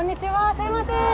すみません。